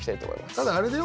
ただあれだよ？